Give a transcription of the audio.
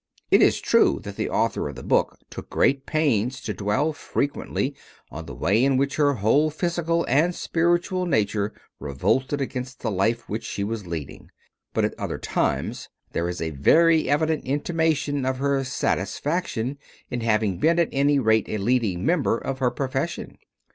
It is true that the author of the book takes great pains to dwell frequently on the way in which her whole physical and spiritual nature revolted against the life which she was leading, but at other times there is a very evident intimation of her satisfaction in having been at any rate a leading member of her profession.